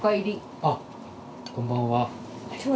あっこんばんは。